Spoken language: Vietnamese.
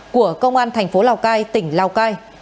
của công an thành phố lào cai tỉnh lào cai